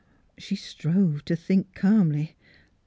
She strove to think calmly.